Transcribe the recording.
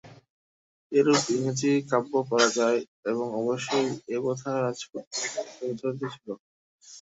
এইরূপ ইংরেজি কাব্যে পড়া যায় এবং অবশ্যই এ প্রথা রাজপুতদের মধ্যে প্রচলিত ছিল।